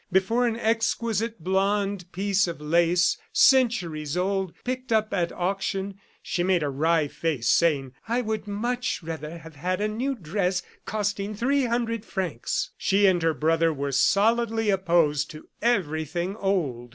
Before an exquisite blonde piece of lace, centuries old, picked up at auction, she made a wry face, saying, "I would much rather have had a new dress costing three hundred francs." She and her brother were solidly opposed to everything old.